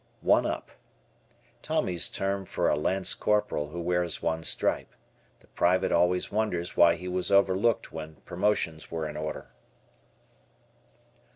"One up." Tommy's term for a lance corporal who wears one stripe. The private always wonders why he was overlooked when promotions were in order.